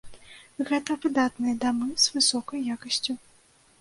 Гэта выдатныя дамы з высокай якасцю.